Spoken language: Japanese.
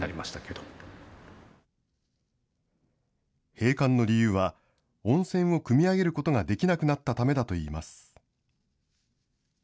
閉館の理由は、温泉をくみ上げることができなくなったためだといいます。